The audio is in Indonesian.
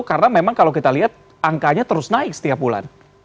karena memang kalau kita lihat angkanya terus naik setiap bulan